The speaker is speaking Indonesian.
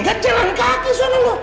nggak jalan kaki suara lu